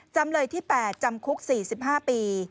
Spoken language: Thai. จำเลยที่๘จำคุก๔๕ปี